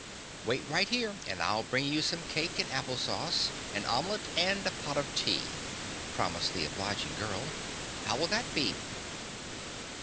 "Wait right here and I'll bring you some cake and apple sauce, an omelette and a pot of tea," promised the obliging girl. "How will that be?"